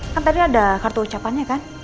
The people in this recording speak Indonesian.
kan tadi ada kartu ucapannya kan